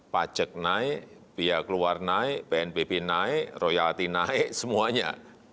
pajak naik biaya keluar naik pnbp naik royalti naik semuanya